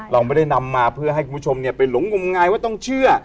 เราไม่ได้นำมาเพื่อให้คุณผู้ชมไปหลงงมงายว่าต้องเชื่อ